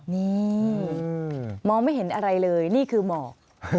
นี่มองไม่เห็นอะไรเลยนี่คือหมอก